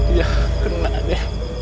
iya kena deh